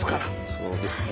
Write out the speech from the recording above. そうですね。